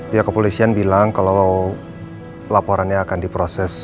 dia ke polisian bilang kalau laporannya akan diproses satu x dua puluh empat jam